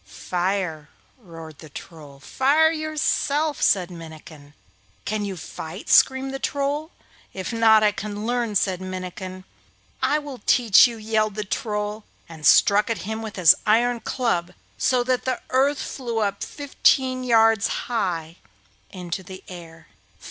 'Fire!' roared the Troll. 'Fire yourself!' said Minnikin. 'Can you fight?' screamed the Troll. 'If not, I can learn,' said Minnikin. 'I will teach you,' yelled the Troll, and struck at him with his iron club so that the earth flew up fifteen yards high into the air.